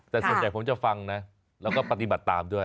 แต่ส่วนใหญ่ผมจะฟังนะแล้วก็ปฏิบัติตามด้วย